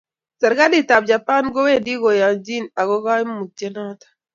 Serikalitab Japan komawendi koyanjin ako kaimutienotok.